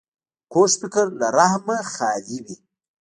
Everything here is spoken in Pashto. کوږ فکر له رحم نه خالي وي